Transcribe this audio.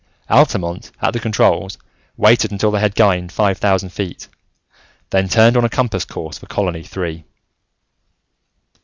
Altamont, at the controls, waited until they had gained five thousand feet, then turned on a compass course for Colony Three.